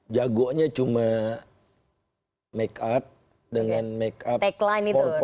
jago nya cuma make up dengan make up empat itu